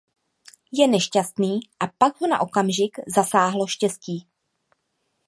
Je nešťastný a pak ho na okamžik zasáhlo štěstí.